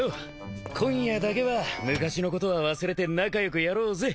今夜だけは昔のことは忘れて仲良くやろうぜ。